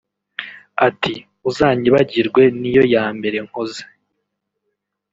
Ati “ Uzanyibagirwe niyo ya mbere nkoze